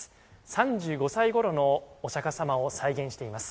３５歳ごろのお釈迦様を再現しています。